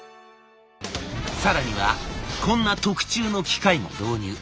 更にはこんな特注の機械も導入。